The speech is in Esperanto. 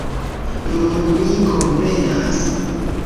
Nun mi komprenas!